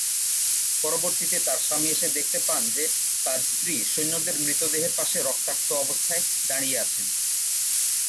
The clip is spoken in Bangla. পরবর্তীতে তার স্বামী এসে দেখতে পান যে তার স্ত্রী সৈন্যদের মৃতদেহের পাশে রক্তাক্ত অবস্থায় দাঁড়িয়ে আছেন।